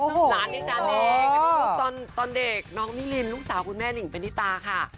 ร้านนิตานิกตอนเด็กน้องมิรินลูกสาวคุณแม่นิ่งเป็นนิตาค่ะ